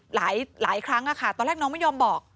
หลายครั้งตอนแรกน้องไม่ยอมบอก